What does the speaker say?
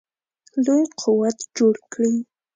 لوی قوت جوړ کړي.